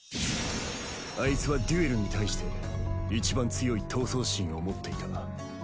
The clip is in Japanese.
アイツはデュエルに対していちばん強い闘争心を持っていた。